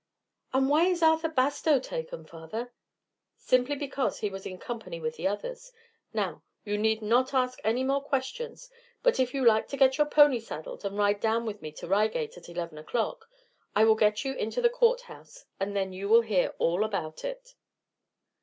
"And why is Arthur Bastow taken, father?" "Simply because he was in company with the others. Now, you need not ask any more questions, but if you like to get your pony saddled and ride down with me to Reigate at eleven o'clock, I will get you into the courthouse, and then you will hear all about it."